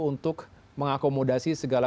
untuk mengakomodasi segala